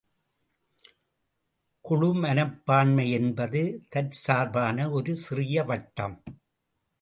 குழு மனப்பான்மை என்பது தற்சார்பான ஒரு சிறிய வட்டம்.